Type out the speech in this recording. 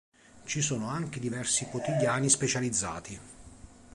Ci sono anche diversi quotidiani specializzati.